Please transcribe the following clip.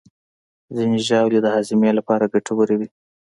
ځینې ژاولې د هاضمې لپاره ګټورې وي.